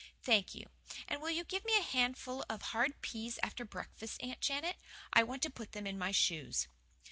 "Thank you. And will you give me a handful of hard peas after breakfast, Aunt Janet? I want to put them in my shoes."